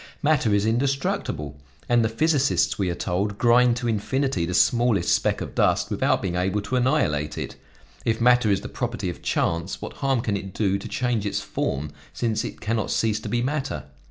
Matter is indestructible, and the physicists, we are told, grind to infinity the smallest speck of dust without being able to annihilate it. If matter is the property of chance, what harm can it do to change its form since it can not cease to be matter?